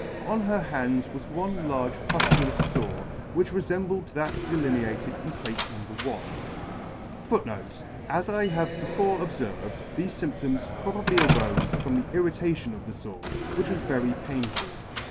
On her hand was one large puftulous fore, which refembled that delineated in Plate No. 1. f * See Cafe IX. t As I have before obferved, thefe fymptoms probably arofe from the irritation of the fore, which was very painful.